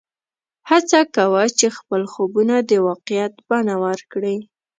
هڅه کوه چې خپل خوبونه د واقعیت بڼه ورکړې